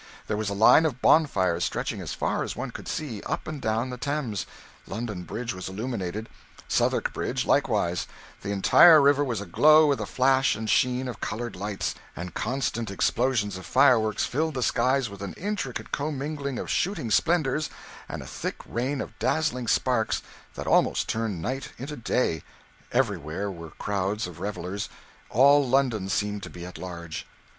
There was a line of bonfires stretching as far as one could see, up and down the Thames; London Bridge was illuminated; Southwark Bridge likewise; the entire river was aglow with the flash and sheen of coloured lights; and constant explosions of fireworks filled the skies with an intricate commingling of shooting splendours and a thick rain of dazzling sparks that almost turned night into day; everywhere were crowds of revellers; all London seemed to be at large.